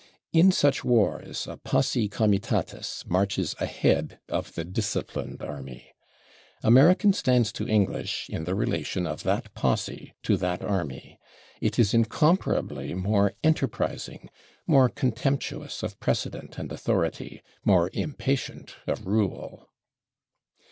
In such wars a /posse comitatus/ marches ahead of the disciplined army. American stands to English in the relation of that posse to that army. It is incomparably more enterprising, more contemptuous of precedent and authority, more impatient of rule.